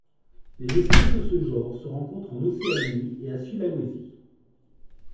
Les espèces de ce genre se rencontrent en Océanie et à Sulawesi.